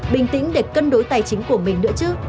bình tĩnh để cân đối tài chính của mình nữa chứ